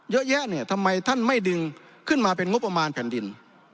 เยอะแยะเนี่ยทำไมท่านไม่ดึงขึ้นมาเป็นงบประมาณแผ่นดิน